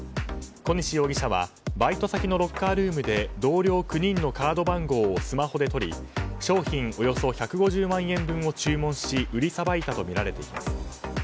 小西容疑者はバイト先のロッカールームで同僚９人のカード番号をスマホで撮り商品およそ１５０万円分を注文し売りさばいたとみられています。